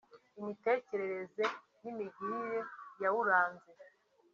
imitekerereze n’imigirire yawuranze